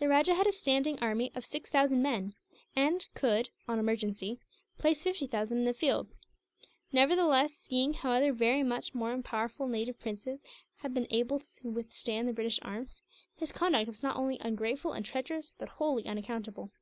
The rajah had a standing army of six thousand men; and could, on an emergency, place fifty thousand in the field. Nevertheless, seeing how other very much more powerful native princes had been unable to withstand the British arms, his conduct was not only ungrateful and treacherous, but wholly unaccountable.